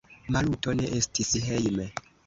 Maluto ne estis hejme.